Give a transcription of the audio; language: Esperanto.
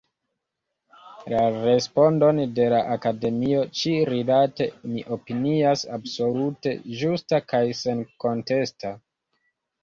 La respondon de la Akademio ĉi-rilate mi opinias absolute ĝusta kaj senkontesta.